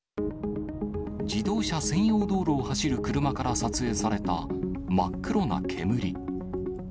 自動車専用道路を走る車から撮影された真っ黒な煙。